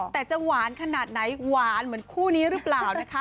แต่จะหวานขนาดไหนหวานเหมือนคู่นี้หรือเปล่านะคะ